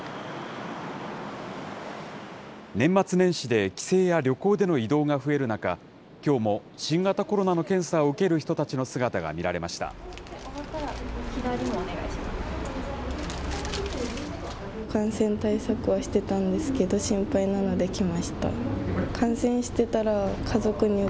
年末年始で帰省や旅行での移動が増える中、きょうも新型コロナの検査を受ける人たちの姿が見られました。